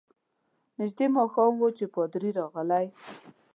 نژدې ماښام وو چي پادري راغلی.